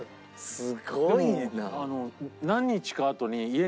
すごいな。